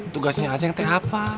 tugasnya aja yang penting apa